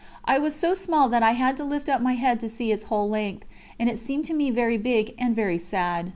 I was so small that I had to lift up my head to see its whole length, and it seemed to me very big and very sad.